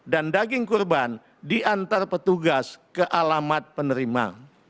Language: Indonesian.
dan daging korban diantar petugas ke alamat penerima